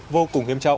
vô cùng nghiêm trọng